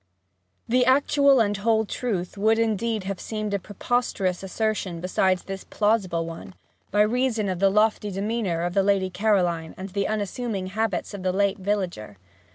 The actual and whole truth would indeed have seemed a preposterous assertion beside this plausible one, by reason of the lofty demeanour of the Lady Caroline and the unassuming habits of the late villager.